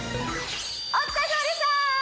お疲れさまでした！